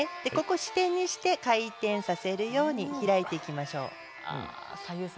支点にして回転させるように開いていきましょう。